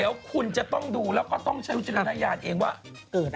เดี๋ยวคุณจะต้องดูแล้วก็ต้องใช้วิจารณญาณเองว่าเกิดอะไร